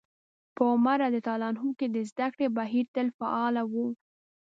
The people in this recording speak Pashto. په عمر رض کې د زدکړې بهير تل فعال و.